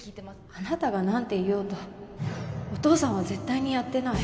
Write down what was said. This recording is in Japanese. あなたが何て言おうとお父さんは絶対にやってない